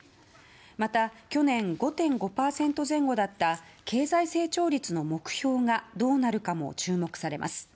また、去年５．５％前後だった経済成長率の目標がどうなるかも注目されます。